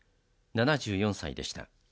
７４歳でした。